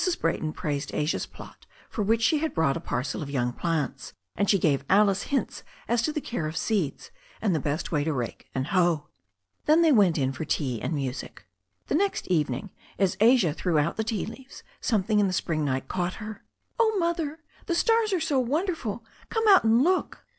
Brayton praised Asia's plot for which she had brought a parcel of young plants, and she gave Alice hints as to the care of seeds, and the best way to rake and hoe. Then they went in for tea and music. The next evening, as Asia threw out the tea leaves, some thing in the spring night caught her. "Oh, Mother, the stars are so wonderful. Come out and look."